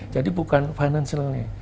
jadi bukan financialnya